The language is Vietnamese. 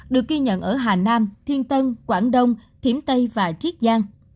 được ghi nhận ở hà nam thiên tân quảng đông thiểm tây và triết giang